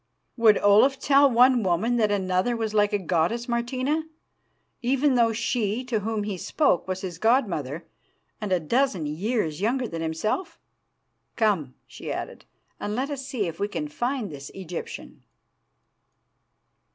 "'Would Olaf tell one woman that another was like a goddess, Martina, even though she to whom he spoke was his god mother and a dozen years younger than himself? Come,' she added, 'and let us see if we can find this Egyptian.